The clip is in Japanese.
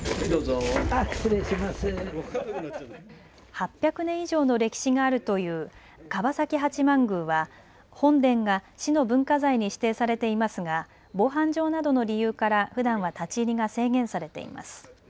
８００年以上の歴史があるという樺崎八幡宮は本殿が市の文化財に指定されていますが防犯上などの理由からふだんは立ち入りが制限されています。